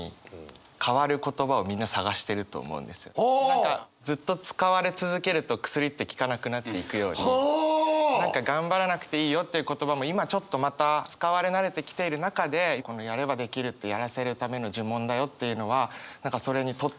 何かずっと使われ続けると薬って効かなくなっていくように「頑張らなくていいよ」という言葉も今ちょっとまた使われ慣れてきている中でこの「やればできるって、やらせるための呪文だよ」っていうのは何かそれに取って代わる